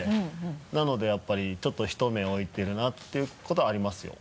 なのでやっぱりちょっと一目置いてるなっていうことはありますよ。